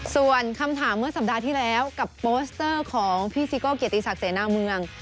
ส่วนคำถามเมื่อสัปดาห์ที่แล้วกับโปสเตอร์ของพี่ซิโก้เกียรติศักดิเสนาเมือง